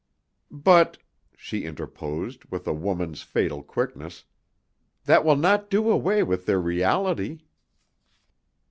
"But," she interposed, with a woman's fatal quickness, "that will not do away with their reality."